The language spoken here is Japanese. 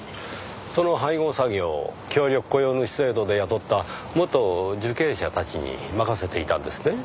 その配合作業を協力雇用主制度で雇った元受刑者たちに任せていたんですね？